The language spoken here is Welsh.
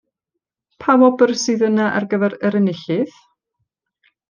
Pa wobr sydd yna ar gyfer yr enillydd?